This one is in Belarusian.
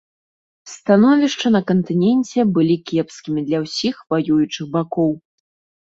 Становішча на кантыненце былі кепскімі для ўсіх ваюючых бакоў.